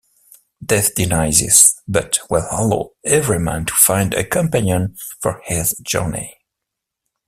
Death denies this, but will allow Everyman to find a companion for his journey.